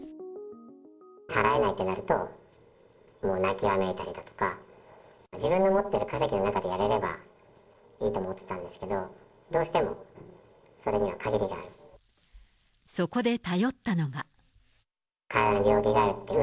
払えないってなると、もう泣きわめいたりだとか、自分の持ってる稼ぎの中でやれればいいと思ってたんですけど、どうしてもそれには限りがある。